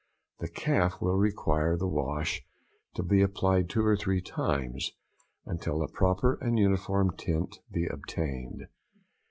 The calf will require the wash to be applied two or three times, until a proper and uniform tint be obtained.